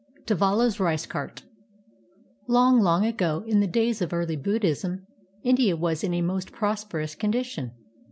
devala's rice cart Long, long ago in the days of early Buddhism, India was in a most prosperous condition.